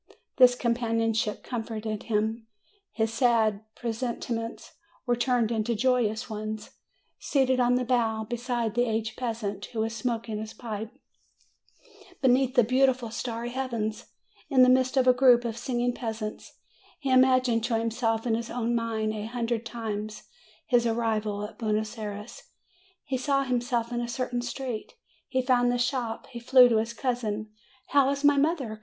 This companionship comforted him; his sad pre sentiments were turned into joyous ones. Seated on the bow, beside the aged peasant, who was smoking 260 MAY his pipe, beneath the beautiful starry heaven, in the midst of a group of singing peasants, he imagined to himself in his own mind a hundred times his arrival at Buenos Ay res; he saw himself in a certain street; he found the shop, he flew to his cousin. "How is my mother?